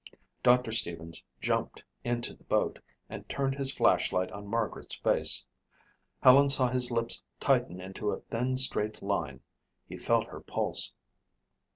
Doctor Stevens jumped into the boat and turned his flashlight on Margaret's face. Helen saw his lips tighten into a thin straight line. He felt her pulse.